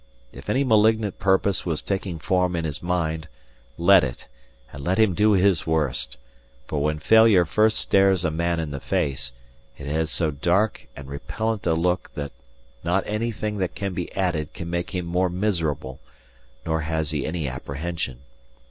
If any malignant purpose was taking form in his mind, let it, and let him do his worst; for when failure first stares a man in the face, it has so dark and repellent a look that not anything that can be added can make him more miserable; nor has he any apprehension.